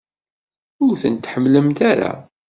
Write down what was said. Ur ten-tḥemmlemt ara?